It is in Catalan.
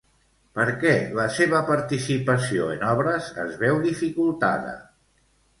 Per què la seva participació en obres es veu dificultada?